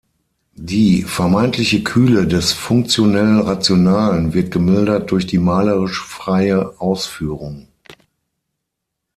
Die vermeintliche Kühle des Funktionell-Rationalen wird gemildert durch die malerisch freie Ausführung.